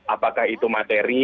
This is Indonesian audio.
apakah itu materi